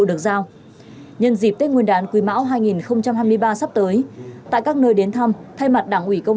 được giao nhân dịp tết nguyên đán quý mão hai nghìn hai mươi ba sắp tới tại các nơi đến thăm thay mặt đảng ủy công